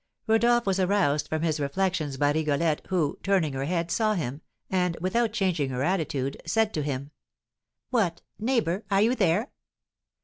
Rodolph was aroused from his reflections by Rigolette, who, turning her head, saw him, and, without changing her attitude, said to him: "What, neighbour, are you there?"